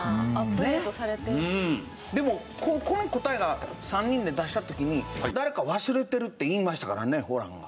でもこの答えが３人で出した時に誰か忘れてるって言いましたからねホランが。